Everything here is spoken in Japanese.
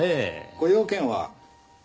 ご用件は？